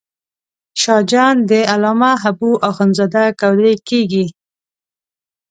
شاه جان د علامه حبو اخند زاده کودی کېږي.